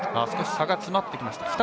少し差が詰まってきた。